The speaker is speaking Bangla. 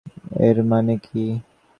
এর মানে কি?